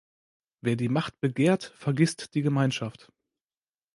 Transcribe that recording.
Wer die Macht begehrt, vergißt die Gemeinschaft.